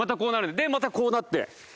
でまたこうなって。